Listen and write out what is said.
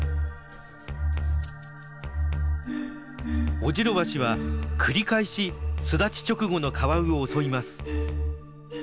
オジロワシは繰り返し巣立ち直後のカワウを襲います。